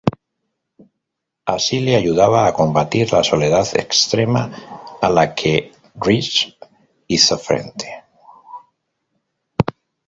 Así le ayudaba a combatir la soledad extrema a la que Drizzt hizo frente.